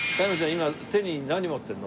今手に何持ってるの？